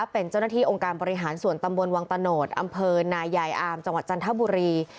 เป็นเจ้าหน้าที่องค์การบริหารส่วนตำบลวังตะโนธอำเภอนายายอามจังหวัดจันทบุรี